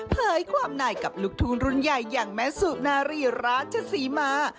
ความไหนกับลูกทุ่งรุ่นใหญ่อย่างแม่สุนารีราชศรีมา